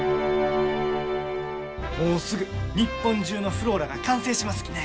もうすぐ日本中のｆｌｏｒａが完成しますきね。